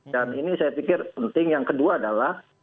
dan ini saya pikir penting yang kedua adalah